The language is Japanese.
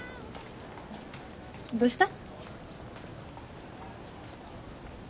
どうした？